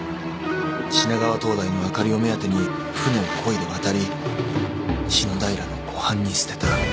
品川燈台の灯りを目当てに舟をこいで渡り篠平の湖畔に捨てた。